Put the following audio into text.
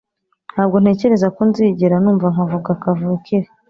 Ntabwo ntekereza ko nzigera numva nkavuga kavukire